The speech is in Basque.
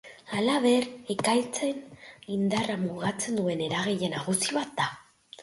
Halaber, ekaitzen indarra mugatzen duen eragile nagusi bat da.